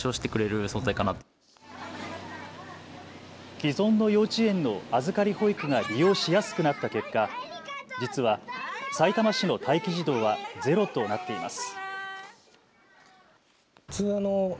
既存の幼稚園の預かり保育が利用しやすくなった結果、実はさいたま市の待機児童はゼロとなっています。